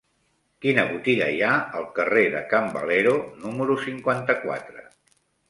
Quina botiga hi ha al carrer de Can Valero número cinquanta-quatre?